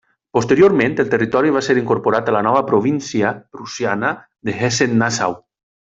Posteriorment el territori va ser incorporat a la nova província prussiana de Hessen-Nassau.